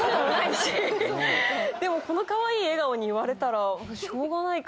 でもこのかわいい笑顔に言われたらしょうがないか！